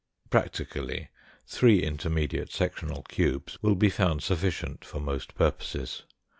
Practically three intermediate sectional cubes will be found sufficient for most purposes.